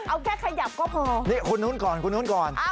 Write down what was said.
เอาแค่ขยับก็พอนี่คุณนู้นก่อนคุณนู้นก่อน